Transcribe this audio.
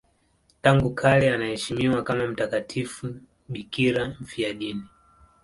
Tangu kale anaheshimiwa kama mtakatifu bikira mfiadini.